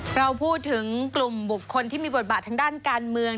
เราพูดถึงกลุ่มบุคคลที่มีบทบาททางด้านการเมือง